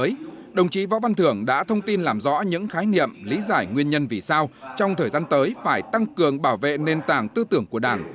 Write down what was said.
tại hội nghị đồng chí võ văn thường đã thông tin làm rõ những khái niệm lý giải nguyên nhân vì sao trong thời gian tới phải tăng cường bảo vệ nền tảng tư tưởng của đảng